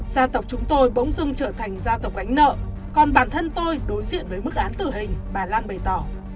gia tộc chúng tôi bỗng dưng trở thành gia tộc gánh nợ còn bản thân tôi đối diện với mức án tử hình bà lan bày tỏ